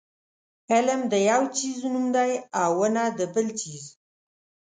علم د یو څیز نوم دی او ونه د بل څیز.